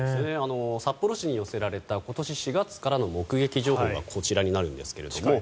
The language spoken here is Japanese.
札幌市に寄せられた今年４月からの目撃情報が近いですね。